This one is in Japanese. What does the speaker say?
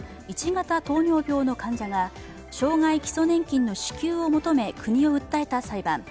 １型糖尿病の患者が障害基礎年金の支給を求め国を訴えた裁判。